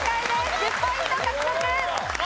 １０ポイント獲得。